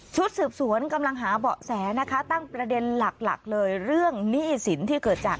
ชุดสืบสวนกำลังหาเบาะแสนะคะตั้งประเด็นหลักหลักเลยเรื่องหนี้สินที่เกิดจาก